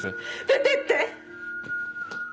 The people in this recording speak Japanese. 出てって！